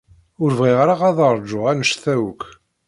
Ur bɣiɣ ara ad ṛjuɣ anect-a akk.